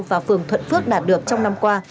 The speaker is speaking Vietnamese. và phường thuận phước đạt được trong năm qua